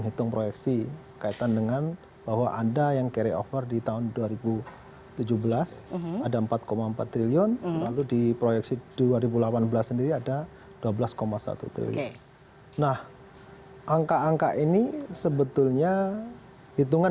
itu sebenarnya dikontribusi oleh semua pihak